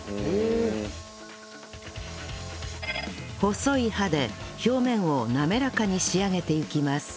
細い刃で表面をなめらかに仕上げていきます